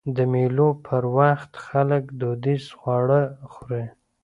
د مېلو پر وخت خلک دودیز خواږه خوري.